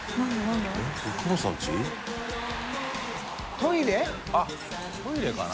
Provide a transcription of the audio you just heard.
トイレかな？